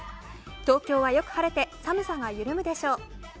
東京は、よく晴れて寒さが緩むでしょう。